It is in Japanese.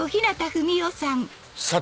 さて。